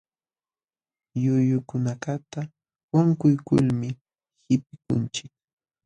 Llullukunakaqta wankuykulmi qipikunchik.